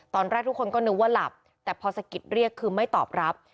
ตอนแรกทุกคนก็นึกว่าหลับแต่พอสะกิดเรียกคือไม่ตอบรับ